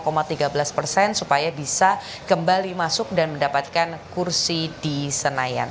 sekitar tiga belas persen supaya bisa kembali masuk dan mendapatkan kursi di senayan